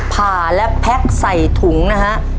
ผ่าและแพ็คใส่ถุงนะฮะ